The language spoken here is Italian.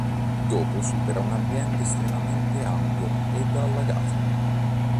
Dopo supera un ambiente estremamente ampio ed allagato.